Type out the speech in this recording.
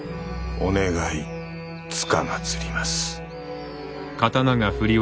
お願いつかまつります。